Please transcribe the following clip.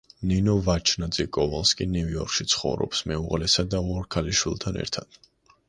ნინო ვაჩნაძე–კოვალსკი ნიუ–იორკში ცხოვრობს მეუღლესა და ორ ქალიშვილთან ერთად.